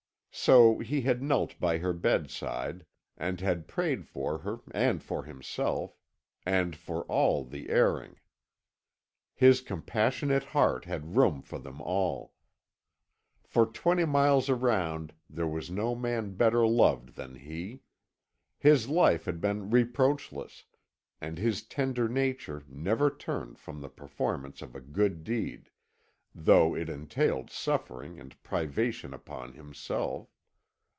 So he had knelt by her bedside and had prayed for her and for himself, and for all the erring. His compassionate heart had room for them all. For twenty miles around there was no man better loved than he. His life had been reproachless, and his tender nature never turned from the performance of a good deed, though it entailed suffering and privation upon himself.